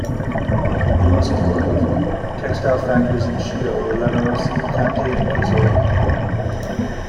The most important textile factories in Schio were Lanerossi, Conte and Cazzola.